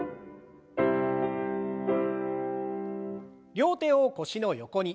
両手を腰の横に。